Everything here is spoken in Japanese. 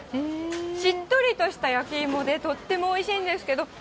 しっとりとした焼き芋で、とってもおいしいんですけど。